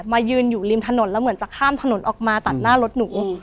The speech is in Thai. ยืนอยู่ริมถนนแล้วเหมือนจะข้ามถนนออกมาตัดหน้ารถหนู